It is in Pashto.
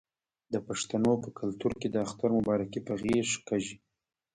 د پښتنو په کلتور کې د اختر مبارکي په غیږ کیږي.